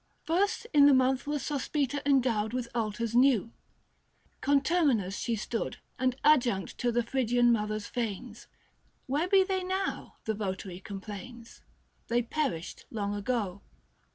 First in the month was Sospita endowed With altars new ; conterminous she stood And adjunct to the Phrygian mother's fanes. 45 Where be they now ? the votary complains ; They perished long ago.